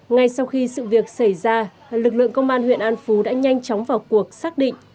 ngay sau khi sự việc xảy ra lực lượng công an huyện an phú đã nhanh chóng vào cuộc xác định